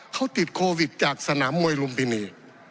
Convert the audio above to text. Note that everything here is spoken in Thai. เขาติดโควิดจากสนามมวยลุมพินี